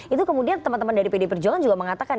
itu kemudian teman teman dari pd perjuangan juga mengatakan